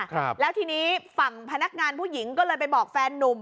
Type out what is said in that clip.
ครับแล้วทีนี้ฝั่งพนักงานผู้หญิงก็เลยไปบอกแฟนนุ่ม